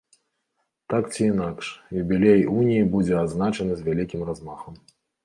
Так ці інакш, юбілей уніі будзе адзначаны з вялікім размахам.